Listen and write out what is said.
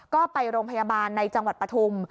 ก็ไปโรงพยาบาลในจังหวัดปฐุม